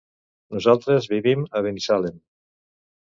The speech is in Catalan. Nosaltres vivim a Binissalem.